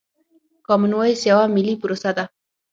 کامن وايس يوه ملي پروسه ده.